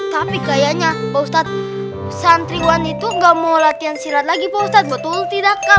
tapi kayaknya mpa ustadz santriwan itu gak mau latihan silat lagi mpa ustadz betul tidak kan